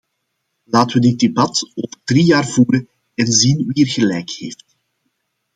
Laten we dit debat over drie jaar voeren en zien wie er gelijk heeft.